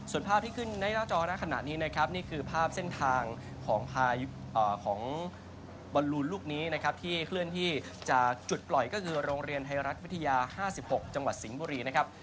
ส่วนภาพที่ขึ้นในหน้าจอหน้าขณะนี้นะครับนี่คือภาพเส้นทางของพายุของบอลลูนลูกนี้นะครับที่เคลื่อนที่จากจุดปล่อยก็คือโรงเรียนไทยรัฐวิทยา๕๖จังหวัดสิงห์บุรีนะครับ